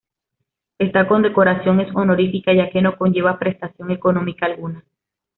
Esta condecoración es honorífica ya que no conlleva prestación económica alguna.